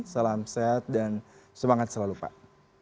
salam sehat dan semangat selalu pak